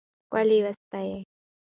ښکلا وستایئ.